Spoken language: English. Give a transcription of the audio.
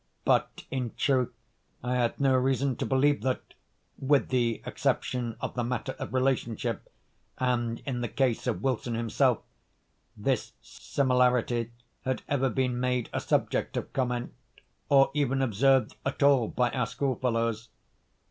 But, in truth, I had no reason to believe that (with the exception of the matter of relationship, and in the case of Wilson himself,) this similarity had ever been made a subject of comment, or even observed at all by our schoolfellows.